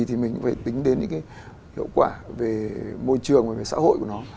thì mình cũng phải tính đến những cái hiệu quả về môi trường và về xã hội của nó